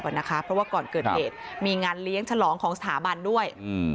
เพราะว่าก่อนเกิดเหตุมีงานเลี้ยงฉลองของสถาบันด้วย